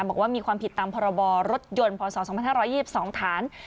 บอกว่ามีความผิดตามผลบารรถยนต์พศสองพันห้าร้อยยี่สิบสองฐาน